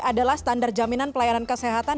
adalah standar jaminan pelayanan kesehatan